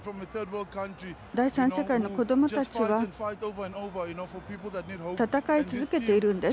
第三世代の子どもたちは戦い続けています。